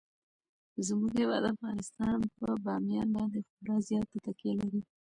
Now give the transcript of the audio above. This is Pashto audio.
زموږ هیواد افغانستان په بامیان باندې خورا زیاته تکیه لري.